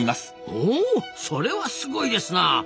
ほうそれはすごいですな。